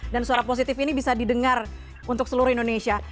dan suara positif ini bisa didengar untuk seluruh indonesia